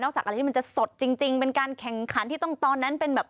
จากอะไรที่มันจะสดจริงเป็นการแข่งขันที่ต้องตอนนั้นเป็นแบบ